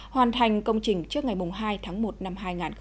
hoàn thành công trình trước ngày hai tháng một năm hai nghìn hai mươi